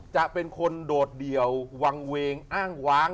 จะเป็นคนโดดเดี่ยววางเวงอ้างว้าง